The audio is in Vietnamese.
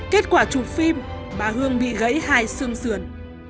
kết quả chụp phim bà hương bị gãy hai xương sườn